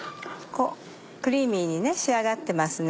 クリーミーに仕上がってますね。